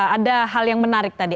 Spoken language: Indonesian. ada hal yang menarik tadi